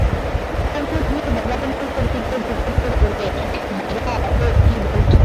কুমুদিনী বাবার মুখের দিকে ঝুঁকে পড়ে বলে, বাবা, ও কী বলছ?